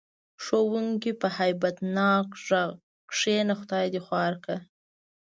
ښوونکي په هیبت ناک غږ: کېنه خدای دې خوار کړه.